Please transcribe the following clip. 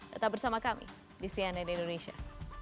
tetap bersama kami di cnn indonesia